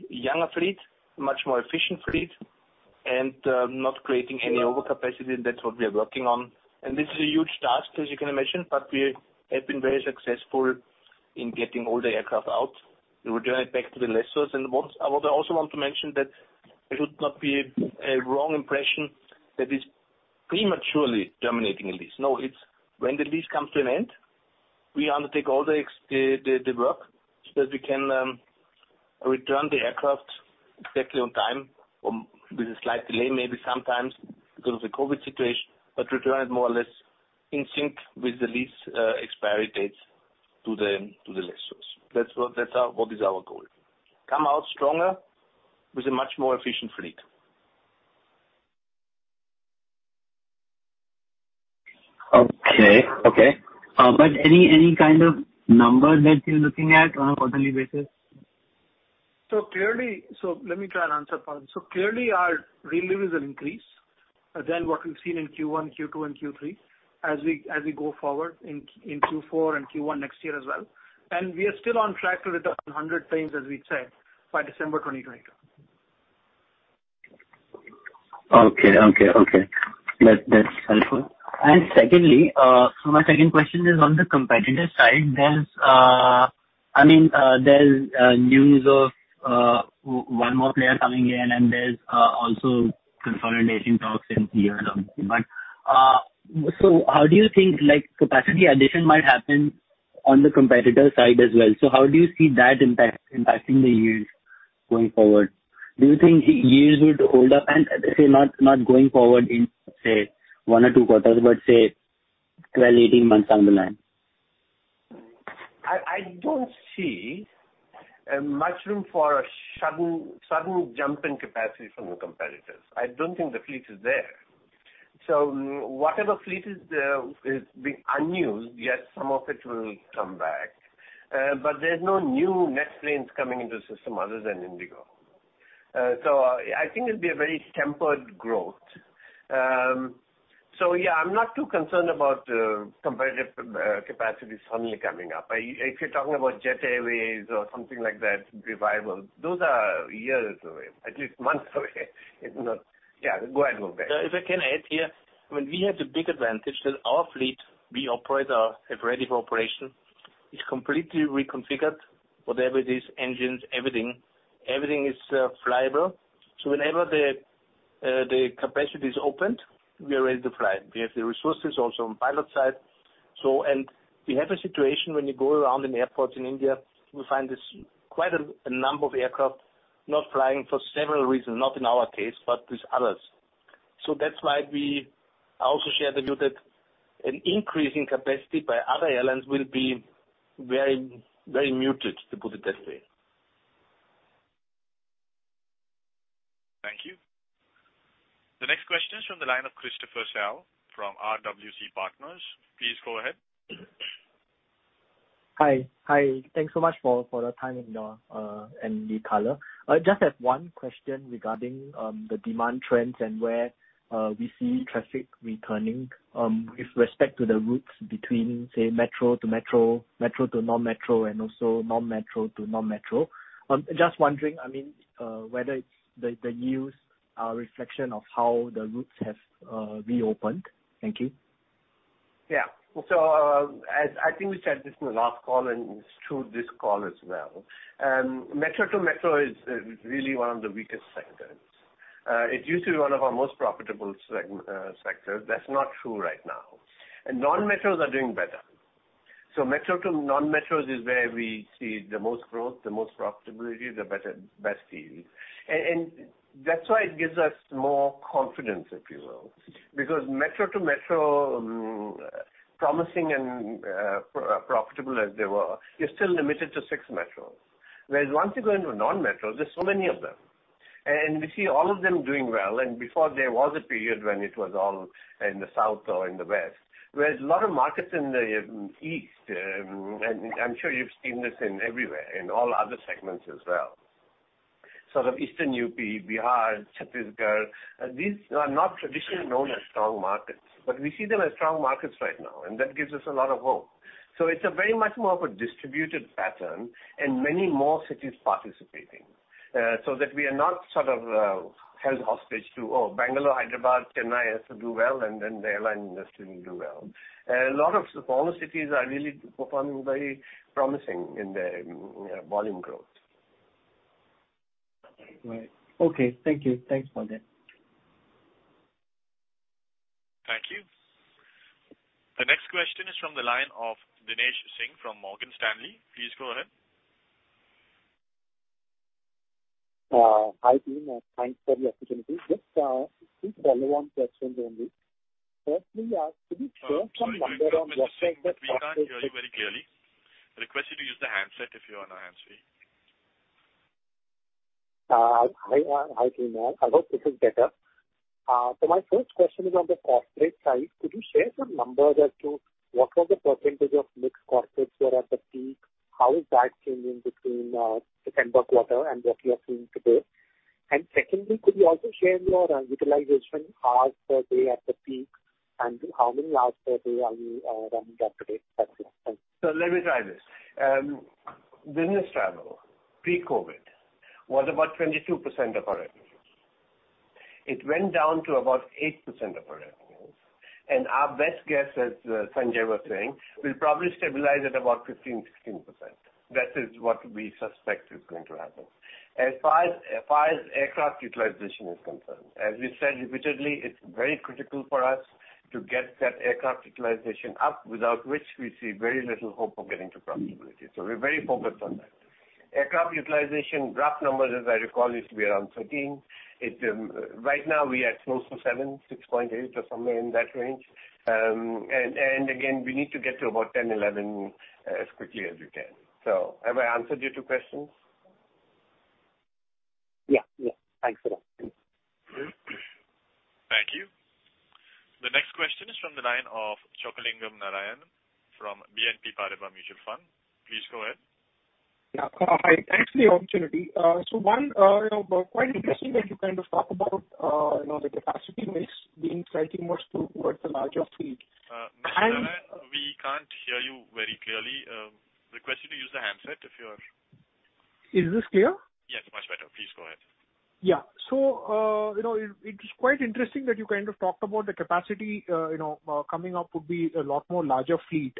younger fleet, much more efficient fleet and not creating any overcapacity. That's what we are working on. This is a huge task, as you can imagine, but we have been very successful in getting all the aircraft out. We return it back to the lessors. What I also want to mention that it should not be a wrong impression that is prematurely terminating a lease. No, it's when the lease comes to an end, we undertake all the work so that we can return the aircraft exactly on time or with a slight delay, maybe sometimes because of the COVID situation, but return it more or less in sync with the lease expiry dates to the lessors. That's what is our goal. Come out stronger with a much more efficient fleet. Okay. Any kind of number that you're looking at on a quarterly basis? Let me try and answer, first. Clearly our relieves is an increase than what we've seen in Q1, Q2, and Q3 as we go forward in Q4 and Q1 next year as well. We are still on track to return 100 planes, as we said, by December 2022. Okay. That's helpful. My second question is on the competitor side. There's news of one more player coming in and there's also consolidation talks in the air. How do you think capacity addition might happen on the competitor side as well? How do you see that impacting the yields going forward? Do you think yields would hold up and say, not going forward in, say, one or two quarters, but say 12, 18 months down the line? I don't see much room for a sudden jump in capacity from the competitors. I don't think the fleet is there. Whatever fleet is being unused, yes, some of it will come back. There's no new net planes coming into the system other than IndiGo. I think it'll be a very tempered growth. Yeah, I'm not too concerned about competitive capacity suddenly coming up. If you're talking about Jet Airways or something like that, revival, those are years away, at least months away. Yes. Go ahead, Wolfgang. If I can add here, I mean, we have the big advantage that our fleet we operate are ready for operation. It's completely reconfigured, whatever it is, engines, everything. Everything is flyable. Whenever the capacity is opened, we are ready to fly. We have the resources also on pilot side. We have a situation when you go around in airports in India, we find there's quite a number of aircraft not flying for several reasons, not in our case, but with others. That's why we also share the view that an increase in capacity by other airlines will be very muted, to put it that way. Thank you. The next question is from the line of Christopher Siow from RWC Partners. Please go ahead. Hi. Thanks so much for the time and the color. I just have one question regarding the demand trends and where we see traffic returning with respect to the routes between, say, metro to metro to non-metro, and also non-metro to non-metro. Just wondering, I mean, whether it's the yields are a reflection of how the routes have reopened. Thank you. Yeah. As I think we said this in the last call, and it's true this call as well, metro to metro is really one of the weakest segments. It used to be one of our most profitable sectors. That's not true right now. Non-metros are doing better. Metro to non-metros is where we see the most growth, the most profitability, the best yields. That's why it gives us more confidence, if you will, because metro to metro, promising and profitable as they were, you're still limited to six metros. Whereas once you go into a non-metro, there's so many of them. We see all of them doing well. Before there was a period when it was all in the south or in the west. Whereas a lot of markets in the east, and I'm sure you've seen this in everywhere, in all other segments as well. Sort of eastern U.P., Bihar, Chhattisgarh, these are not traditionally known as strong markets, but we see them as strong markets right now. That gives us a lot of hope. It's a very much more of a distributed pattern and many more cities participating, so that we are not sort of held hostage to, oh, Bangalore, Hyderabad, Chennai has to do well, and then the airline industry will do well. A lot of smaller cities are really performing very promising in their volume growth. Right. Okay. Thank you. Thanks for that. Thank you. The next question is from the line of Dinesh Singh from Morgan Stanley. Please go ahead. Hi, team, thanks for the opportunity. Just two follow-on questions only. Firstly. Sorry, Dinesh Singh, we can't hear you very clearly. I request you to use the handset if you are on a hands-free. Hi. Hi, team. I hope this is better. My first question is on the corporate side. Could you share some numbers as to what was the percentage of mixed corporates were at the peak? How is that changing between the December quarter and what you are seeing today? Secondly, could you also share your utilization hours per day at the peak, and how many hours per day are you running up to date? That's it. Thanks. Let me try this. Business travel pre-COVID was about 22% of our revenues. It went down to about 8% of our revenues, our best guess, as Sanjay was saying, we'll probably stabilize at about 15%-16%. That is what we suspect is going to happen. As far as aircraft utilization is concerned, as we said repeatedly, it's very critical for us to get that aircraft utilization up, without which we see very little hope of getting to profitability. We're very focused on that. Aircraft utilization rough number, as I recall, is to be around 13. Right now, we are close to seven, 6.8, or somewhere in that range. Again, we need to get to about 10-11 as quickly as we can. Have I answered your two questions? Yeah. Thanks a lot. Thank you. The next question is from the line of Chockalingam Narayanan from BNP Paribas Mutual Fund. Please go ahead. Yeah. Hi. Thanks for the opportunity. One, quite interesting that you kind of talked about the capacity mix being slightly more towards the larger fleet. Mr. Narayanan, we can't hear you very clearly. Request you to use the handset if you're. Is this clear? Yes, much better. Please go ahead. It's quite interesting that you kind of talked about the capacity coming up would be a lot more larger fleet.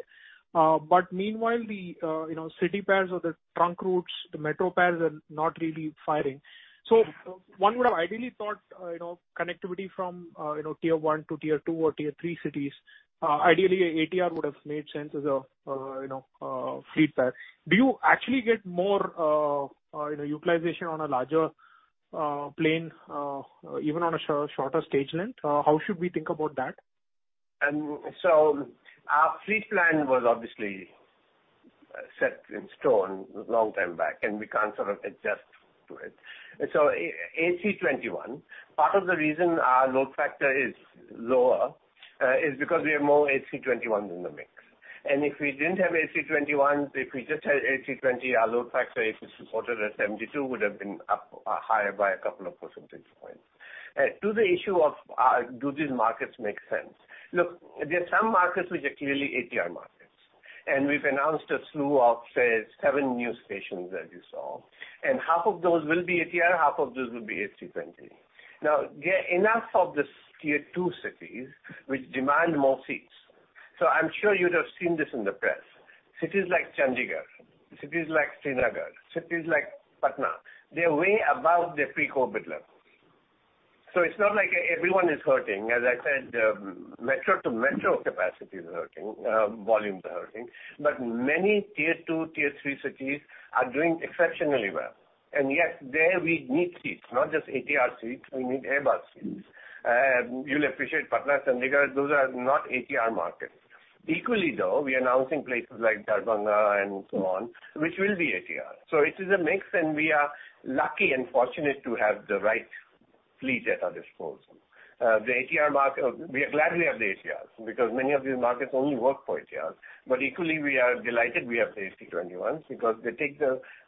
Meanwhile, the city pairs or the trunk routes, the metro pairs are not really firing. One would have ideally thought connectivity from tier 1 to tier 2 or tier 3 cities, ideally ATR would have made sense as a fleet pair. Do you actually get more utilization on a larger plane, even on a shorter stage length? How should we think about that? Our fleet plan was obviously set in stone a long time back, and we can't sort of adjust to it. A321, part of the reason our load factor is lower is because we have more A321s in the mix. If we didn't have A321s, if we just had A320, our load factor, if it's supported at 72, would've been higher by a couple of percentage points. To the issue of do these markets make sense? Look, there are some markets which are clearly ATR markets, and we've announced a slew of, say, seven new stations as you saw. Half of those will be ATR, half of those will be A320. Enough of these tier 2 cities, which demand more seats. I'm sure you'd have seen this in the press. Cities like Chandigarh, cities like Srinagar, cities like Patna, they're way above their pre-COVID levels. It's not like everyone is hurting. As I said, metro-to-metro capacity is hurting, volumes are hurting, but many tier 2, tier 3 cities are doing exceptionally well. Yet there we need seats, not just ATR seats, we need Airbus seats. You'll appreciate Patna, Chandigarh, those are not ATR markets. Equally, though, we're announcing places like Darbhanga and so on, which will be ATR. It is a mix, and we are lucky and fortunate to have the right fleet at our disposal. We are glad we have the ATRs, because many of these markets only work for ATRs. Equally, we are delighted we have the A321s because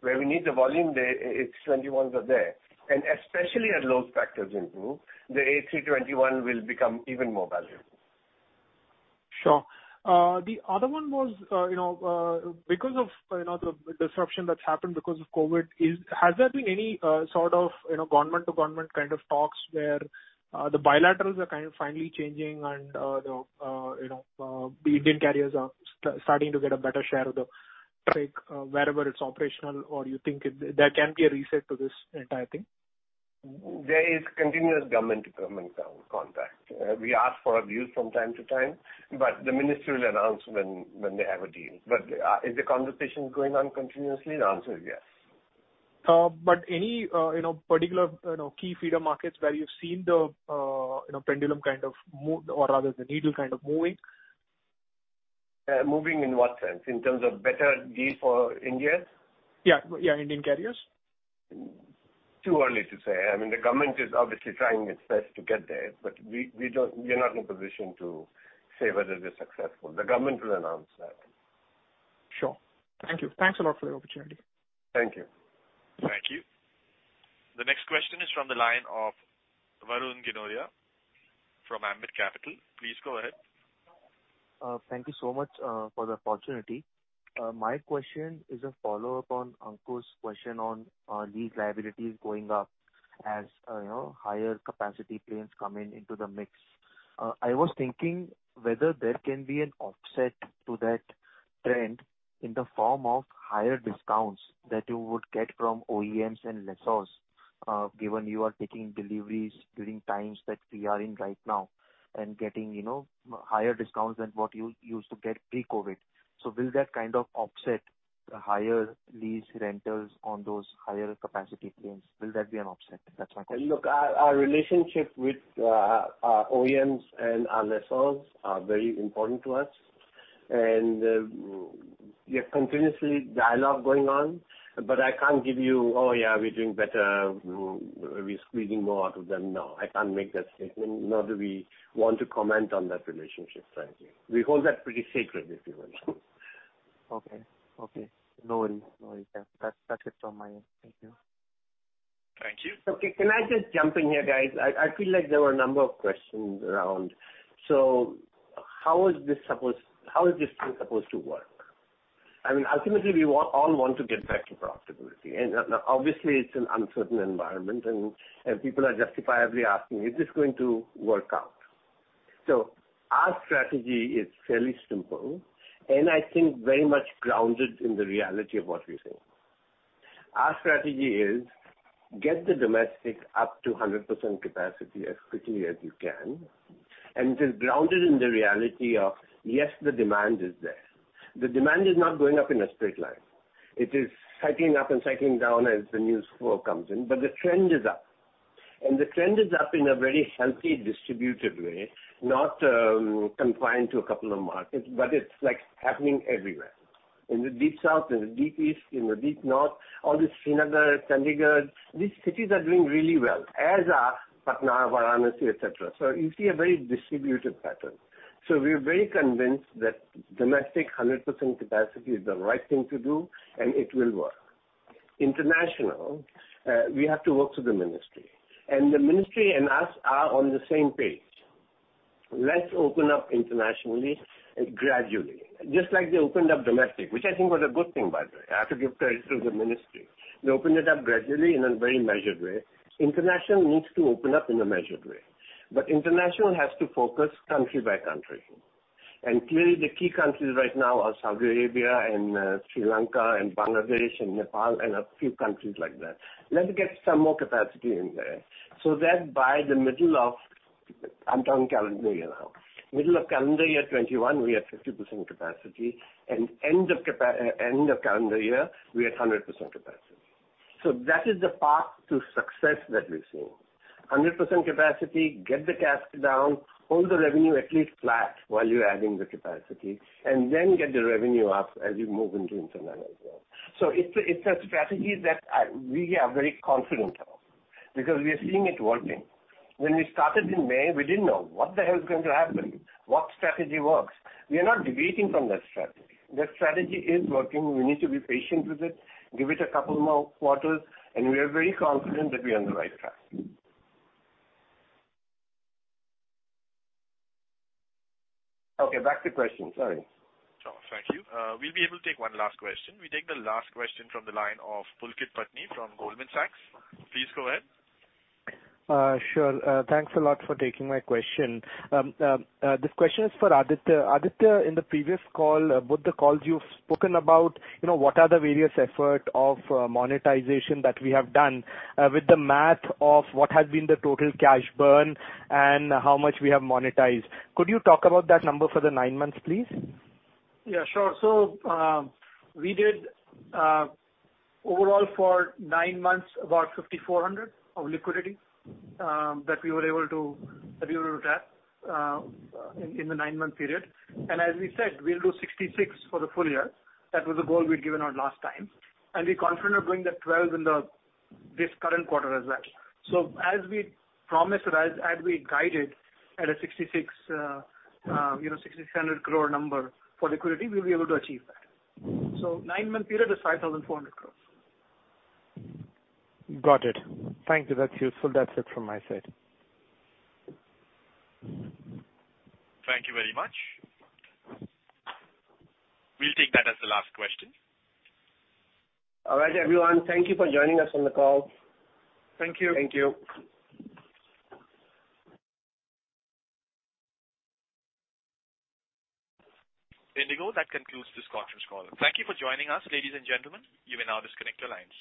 where we need the volume, the A321s are there. Especially as load factors improve, the A321 will become even more valuable. Sure. The other one was, because of the disruption that has happened because of COVID, has there been any sort of government-to-government kind of talks where the bilaterals are kind of finally changing and the Indian carriers are starting to get a better share of the cake wherever it is operational, or you think there can be a reset to this entire thing? There is continuous government-to-government contact. We ask for a view from time to time, but the minister will announce when they have a deal. Is the conversation going on continuously? The answer is yes. Any particular key feeder markets where you've seen the pendulum kind of move or rather the needle kind of moving? Moving in what sense? In terms of better deal for Indians? Yeah. Indian carriers. Too early to say. I mean, the government is obviously trying its best to get there, but we're not in a position to say whether they're successful. The government will announce that. Sure. Thank you. Thanks a lot for the opportunity. Thank you. Thank you. The next question is from the line of Varun Ginodia from Ambit Capital. Please go ahead. Thank you so much for the opportunity. My question is a follow-up on Ankur's question on lease liabilities going up as higher capacity planes come in into the mix. I was thinking whether there can be an offset to that trend in the form of higher discounts that you would get from OEMs and lessors, given you are taking deliveries during times that we are in right now and getting higher discounts than what you used to get pre-COVID. Will that kind of offset the higher lease rentals on those higher capacity planes? Will that be an offset? That's my question. Look, our relationship with our OEMs and our lessors are very important to us. We have continuously dialogue going on, but I can't give you, "Oh, yeah, we're doing better. We're squeezing more out of them." No, I can't make that statement, nor do we want to comment on that relationship, frankly. We hold that pretty sacred, if you will. Okay. No worries. Yeah. That's it from my end. Thank you. Thank you. Okay. Can I just jump in here, guys? I feel like there were a number of questions around. How is this thing supposed to work? Ultimately, we all want to get back to profitability. Obviously, it's an uncertain environment, and people are justifiably asking, "Is this going to work out?" Our strategy is fairly simple, and I think very much grounded in the reality of what we're seeing. Our strategy is get the domestic up to 100% capacity as quickly as you can, and it is grounded in the reality of, yes, the demand is there. The demand is not going up in a straight line. It is cycling up and cycling down as the news flow comes in. The trend is up, and the trend is up in a very healthy, distributed way, not confined to a couple of markets, but it's happening everywhere. In the deep South, in the deep East, in the deep North, all these Srinagar, Chandigarh, these cities are doing really well, as are Patna, Varanasi, et cetera. You see a very distributed pattern. We are very convinced that domestic 100% capacity is the right thing to do, and it will work. International, we have to work through the ministry, and the ministry and us are on the same page. Let's open up internationally gradually. Just like they opened up domestic, which I think was a good thing, by the way. I have to give credit to the ministry. They opened it up gradually in a very measured way. International needs to open up in a measured way. International has to focus country by country. Clearly, the key countries right now are Saudi Arabia and Sri Lanka and Bangladesh and Nepal and a few countries like that. Let's get some more capacity in there so that by the middle of, I'm talking calendar year now, middle of calendar year 2021, we are 50% capacity, and end of calendar year, we are 100% capacity. That is the path to success that we're seeing. 100% capacity, get the CASK down, hold the revenue at least flat while you're adding the capacity, then get the revenue up as you move into international as well. It's a strategy that we are very confident of because we are seeing it working. When we started in May, we didn't know what the hell is going to happen, what strategy works. We are not deviating from that strategy. That strategy is working. We need to be patient with it, give it a couple more quarters, and we are very confident that we are on the right track. Okay, back to questions. Sorry. Thank you. We will be able to take one last question. We take the last question from the line of Pulkit Patni from Goldman Sachs. Please go ahead. Sure. Thanks a lot for taking my question. This question is for Aditya. Aditya, in the previous call, both the calls you've spoken about what are the various effort of monetization that we have done with the math of what has been the total cash burn and how much we have monetized. Could you talk about that number for the nine months, please? Yeah, sure. We did, overall for nine months, about 5,400 of liquidity that we were able to tap in the nine-month period. As we said, we'll do 66 for the full year. That was the goal we'd given out last time. We're confident of doing that 12 in this current quarter as well. As we promised, as we guided at a 6,600 crore number for liquidity, we'll be able to achieve that. Nine-month period is 5,400 crores. Got it. Thank you. That's useful. That's it from my side. Thank you very much. We'll take that as the last question. All right, everyone. Thank you for joining us on the call. Thank you. Thank you. IndiGo, that concludes this conference call. Thank you for joining us, ladies and gentlemen. You may now disconnect your lines.